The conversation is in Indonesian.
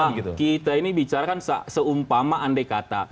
nah kita ini bicarakan seumpama andai kata